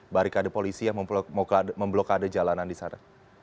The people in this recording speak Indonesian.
barikade polisi yang memblokade jalanan di sana